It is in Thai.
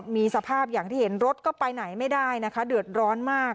มีสภาพอย่างที่เห็นรถก็ไปไหนไม่ได้นะคะเดือดร้อนมาก